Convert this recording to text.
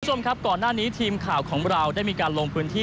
คุณผู้ชมครับก่อนหน้านี้ทีมข่าวของเราได้มีการลงพื้นที่